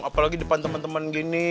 apalagi depan temen temen gini